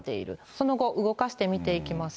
その後、動かして見ていきます。